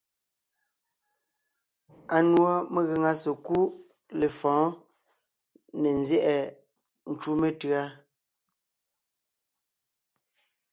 Anùɔ megàŋa sekúd lefɔ̌ɔn ne nzyɛ́ʼɛ ncú metʉ̌a.